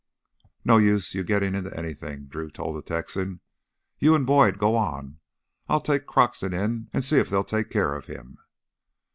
"No use you gettin' into anything," Drew told the Texan. "You and Boyd go on! I'll take Croxton in and see if they'll take care of him."